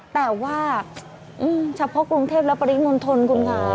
แต่ว่าเฉพาะกรุงเทพและปริมณฑลคุณค่ะ